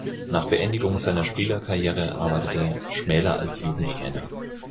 Nach Beendigung seiner Spielerkarriere arbeitete Schmäler als Jugendtrainer.